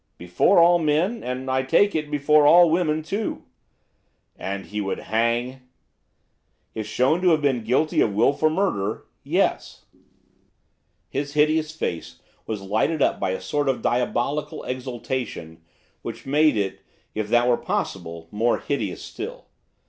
'Before all men, and, I take it, before all women too.' 'And he would hang?' 'If shown to have been guilty of wilful murder, yes.' His hideous face was lighted up by a sort of diabolical exultation which made it, if that were possible, more hideous still.